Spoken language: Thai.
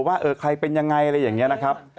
ว่าเออใครเป็นยังไงอะไรอย่างนี้นะครับ